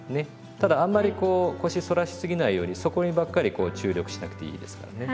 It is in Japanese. ただあんまりこう腰反らしすぎないようにそこにばっかりこう注力しなくていいですからね。